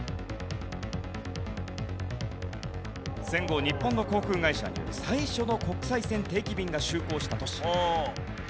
戦後日本の航空会社に最初の国際線定期便が就航した都市。